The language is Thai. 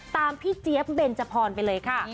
พี่เจี๊ยบเบนจพรไปเลยค่ะ